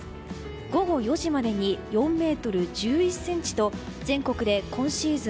午後４時までに４ｍ１１ｃｍと全国で今シーズン